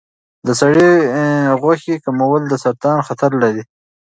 د سرې غوښې کمول د سرطان خطر لږوي.